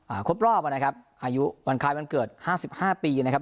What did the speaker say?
ครบรอบอ่ะนะครับอายุวันคล้ายวันเกิดห้าสิบห้าปีนะครับ